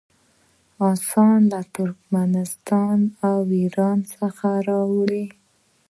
آسونه له ترکستان او ایران څخه راوړي.